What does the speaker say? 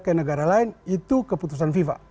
ke negara lain itu keputusan fifa